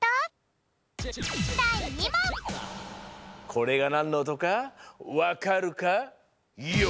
これがなんのおとかわかるかＹＯ！？